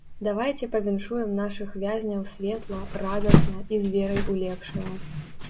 Давайце павіншуем нашых вязняў светла, радасна і з верай у лепшае.